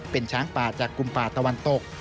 เป็นช้างป่าจากกุมป่าตะวันตก